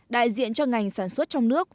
đại diện cho ngành sản xuất trong nước